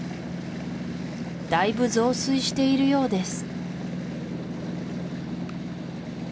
だいぶ増水しているようです